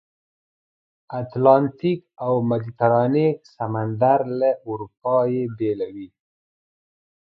اتلانتیک او مدیترانې سمندر له اروپا یې بېلوي.